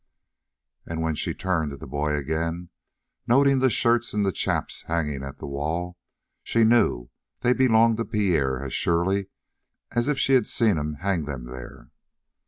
And when she turned to the boy again, noting the shirts and the chaps hanging at the wall, she knew they belonged to Pierre as surely as if she had seen him hang them there.